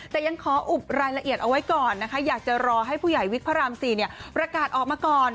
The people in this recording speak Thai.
แต่ยังขออุบรายละเอียดเอาไว้ก่อนนะคะอยากจะรอให้ผู้ใหญ่วิกพระราม๔ประกาศออกมาก่อน